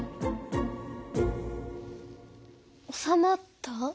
おさまった？